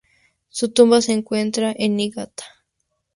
Su tumba se encuentra en Niigata.